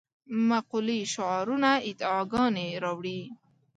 مقولې شعارونه ادعاګانې راوړې.